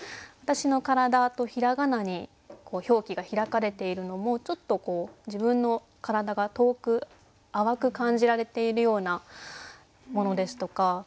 「わたしのからだ」とひらがなに表記がひらかれているのもちょっとこう自分の体が遠く淡く感じられているようなものですとか。